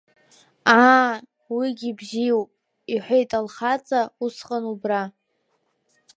Аа, уигьы бзиоуп, – иҳәеит лхаҵа усҟан убра…